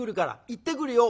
行ってくるよ」。